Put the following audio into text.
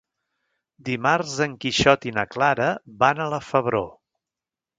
Dimarts en Quixot i na Clara van a la Febró.